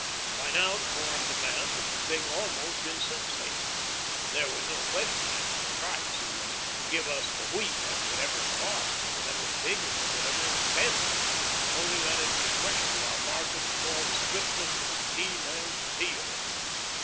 By now the foreign demand was a thing almost insensate. There was no question as to the price. It was, "Give us the wheat, at whatever cost, at whatever figure, at whatever expense; only that it be rushed to our markets with all the swiftness of steam and steel."